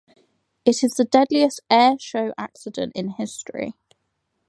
It is the deadliest air show accident in history.